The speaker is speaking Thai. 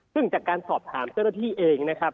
ซึ่งจากการสอบถามเจ้าหน้าที่เองนะครับ